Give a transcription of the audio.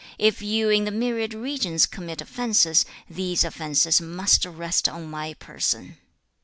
If you in the myriad regions commit offences, these offences must rest on my person.'